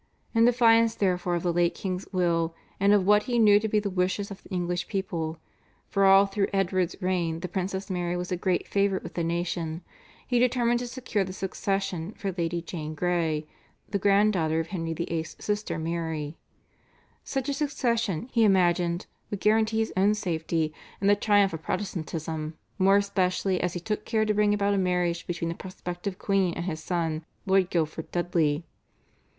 In defiance therefore of the late king's will, and of what he knew to be the wishes of the English people, for all through Edward's reign the Princess Mary was a great favourite with the nation, he determined to secure the succession for Lady Jane Grey, the grand daughter of Henry VIII.'s sister Mary. Such a succession, he imagined, would guarantee his own safety and the triumph of Protestantism, more especially as he took care to bring about a marriage between the prospective queen and his son, Lord Guildford Dudley.